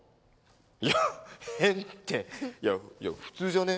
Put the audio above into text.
いや変っていや普通じゃね？